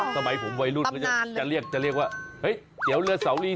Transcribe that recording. สมัยผมวัยรุ่นก็จะเรียกว่าเฮ้ยเตี๋ยวเรือสวรี